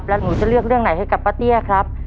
แล้วหนูจะเลือกเรื่องไหนให้กับป้าเตี้ยครับ